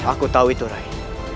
aku tahu itu rai